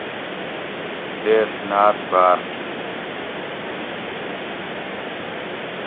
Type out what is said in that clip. لیڷ ناۤت باۤر تھی